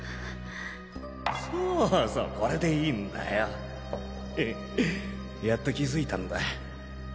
そそこれでいいんだよへへっやっと気づいたんだ